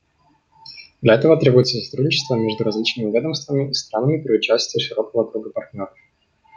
Для этого требуется сотрудничество между различными ведомствами и странами при участии широкого круга партнеров.